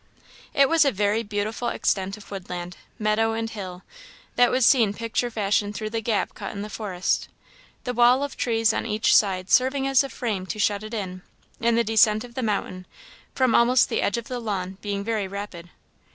It was a very beautiful extent of woodland, meadow, and hill, that was seen picture fashion through the gap cut in the forest; the wall of trees on each side serving as a frame to shut it in, and the descent of the mountain, from almost the edge of the lawn, being very rapid.